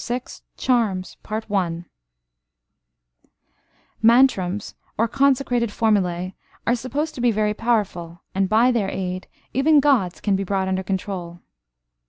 VI CHARMS Mantrams, or consecrated formulæ, are supposed to be very powerful, and by their aid even gods can be brought under control.